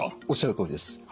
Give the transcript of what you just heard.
おっしゃるとおりです。